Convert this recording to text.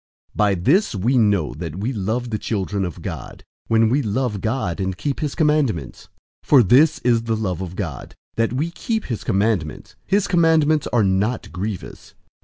005:002 By this we know that we love the children of God, when we love God and keep his commandments. 005:003 For this is the love of God, that we keep his commandments. His commandments are not grievous.